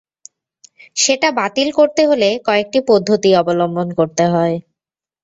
সেটা বাতিল করতে হলে কয়েকটি পদ্ধতি অবলম্বন করতে হয়।